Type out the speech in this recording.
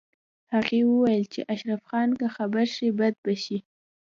هغې وویل چې اشرف خان که خبر شي بد به شي